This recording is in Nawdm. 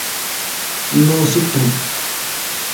Noosutu.